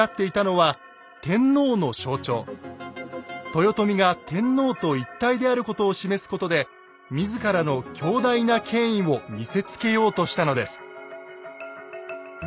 豊臣が天皇と一体であることを示すことで自らの強大な権威を見せつけようとしたのです。